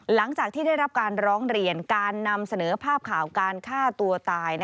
หลังจากที่ได้รับการร้องเรียนการนำเสนอภาพข่าวการฆ่าตัวตาย